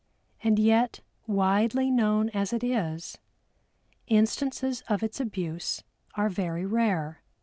And yet, widely known as it is, instances of its abuse are very rare.